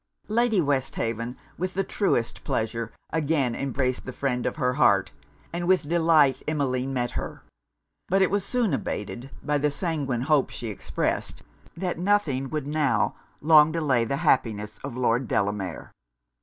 Lady Westhaven, with the truest pleasure, again embraced the friend of her heart; and with delight Emmeline met her; but it was soon abated by the sanguine hopes she expressed that nothing would now long delay the happiness of Lord Delamere.